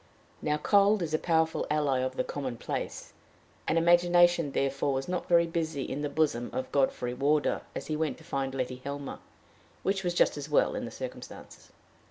Now cold is a powerful ally of the commonplace, and imagination therefore was not very busy in the bosom of Godfrey Wardour as he went to find Letty Helmer, which was just as well, in the circumstances.